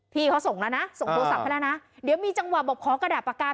พี่เขาส่งแล้วนะส่งโทรศัพท์ให้แล้วนะเดี๋ยวมีจังหวะบอกขอกระดาษปากกา